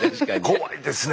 怖いですね。